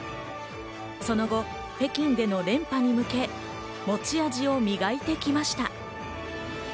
その後、北京での連覇に向け、持ち味を磨いてきました。